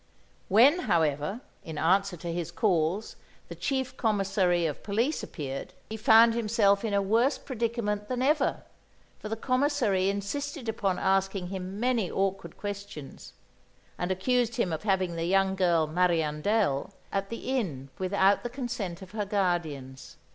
When, however, in answer to his calls, the Chief Commissary of Police appeared, he found himself in a worse predicament than ever, for the Commissary insisted upon asking him many awkward questions, and accused him of having the young girl, "Mariandel" at the inn without the consent of her guardians.